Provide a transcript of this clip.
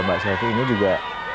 mbak selvi ini juga